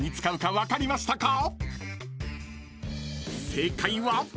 ［正解は］